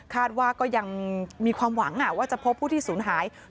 ว่าก็ยังมีความหวังว่าจะพบผู้ที่สูญหาย